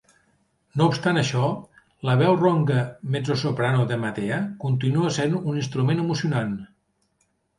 No obstant això, la veu ronca mezzosoprano de Mattea continua sent un instrument emocionant.